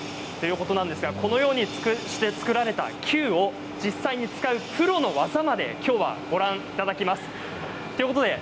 このように作られたキューを実際に使うプロの技をご覧いただきます。